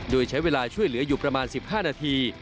โดยใช้เวลาช่วยเหลืออยู่ประมาณ๑๕นาที